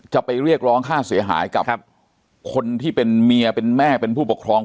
จะไปเรียกร้องค่าเสียหายกับคนที่เป็นเมียเป็นแม่เป็นผู้ปกครอง